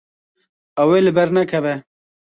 Ew ê li ber nekeve.